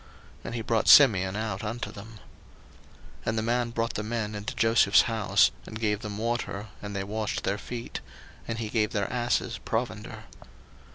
And he brought Simeon out unto them. 01:043:024 And the man brought the men into Joseph's house, and gave them water, and they washed their feet; and he gave their asses provender.